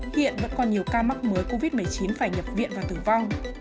hiện vẫn còn nhiều ca mắc mới covid một mươi chín phải nhập viện và tử vong